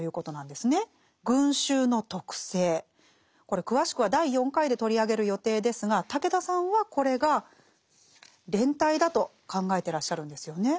これ詳しくは第４回で取り上げる予定ですが武田さんはこれが「連帯」だと考えてらっしゃるんですよね。